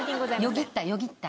よぎったよぎった。